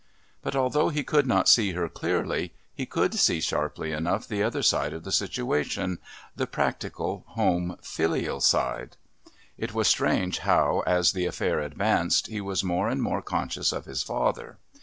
But although he could not see her clearly he could see sharply enough the other side of the situation the practical, home, filial side. It was strange how, as the affair advanced, he was more and more conscious of his father.